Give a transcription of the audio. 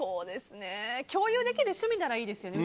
共有できる趣味ならいいですよね。